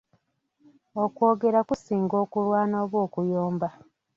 Okwogera kusinga okulwana oba okuyomba.